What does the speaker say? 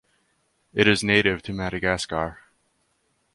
It is native to Madagascar.